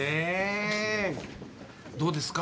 どうですか？